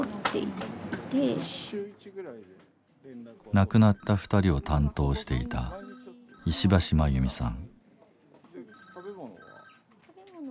亡くなった２人を担当していた石橋真由美さん。